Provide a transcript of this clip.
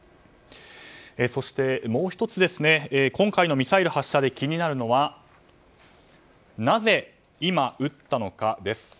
そして、もう１つ今回のミサイル発射で気になるのはなぜ今、撃ったのかです。